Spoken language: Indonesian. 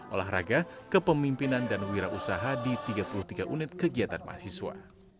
olahraga kepemimpinan dan wira usaha di tiga puluh tiga unit kegiatan mahasiswa